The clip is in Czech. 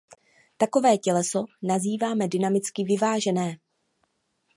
Takové těleso nazýváme dynamicky vyvážené.